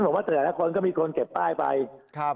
ฉะนั้นผมว่าแต่หลายหลายคนก็มีคนเก็บป้ายไปครับ